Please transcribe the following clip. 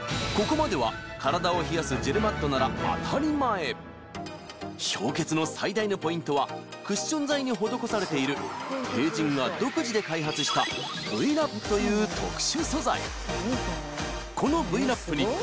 体を冷やすジェルマットなら氷結の最大のポイントはクッション材に施されているＴＥＩＪＩＮが独自で開発したＶ−Ｌａｐという特殊素材